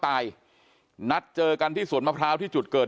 นัดเจอกันที่สวนมะพร้าวที่จุดเกิด